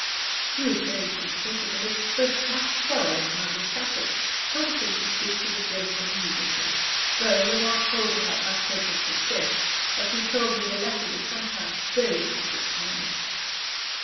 He was very sympathetic, and expressed much sorrow at my discomforts, promising to speak to the General immediately, though without holding out much hope of success, as he told me the latter was sometimes very difficult to manage.